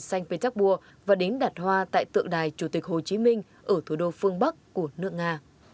xanh petersburg và đến đặt hoa tại tượng đài chủ tịch hồ chí minh ở thủ đô phương bắc của nước nga